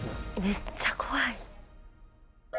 めっちゃ怖い。